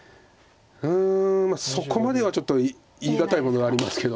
うんそこまではちょっと言い難いものがありますけど。